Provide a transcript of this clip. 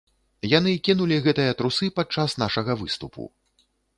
Яны кінулі гэтыя трусы падчас нашага выступу.